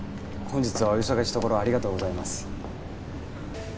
本日はお忙しいところありがとうございます